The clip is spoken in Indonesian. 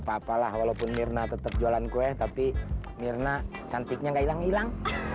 apa apa lah walaupun mirna tetap jualan kue tapi mirna cantiknya nggak hilang hilang